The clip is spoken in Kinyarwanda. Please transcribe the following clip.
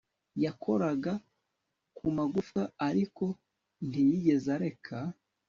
yakoraga ku magufwa, ariko ntiyigeze areka